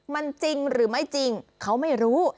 มันจริงหรือไม่จริงเขาไม่รู้